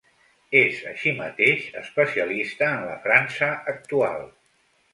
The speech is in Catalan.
És, així mateix, especialista en la França actual.